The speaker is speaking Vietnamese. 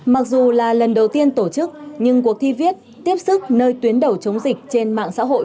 mặc dù là lần đầu tiên tổ chức nhưng cuộc thi viết tiếp sức nơi tuyến đầu chống dịch trên mạng xã hội